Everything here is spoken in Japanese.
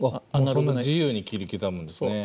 そんな自由に切り刻むんですね。